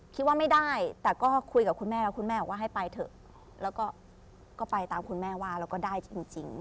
คิดว่าไม่ได้แต่ก็คุยกับคุณแม่แล้วคุณแม่บอกว่าให้ไปเถอะแล้วก็ไปตามคุณแม่ว่าแล้วก็ได้จริง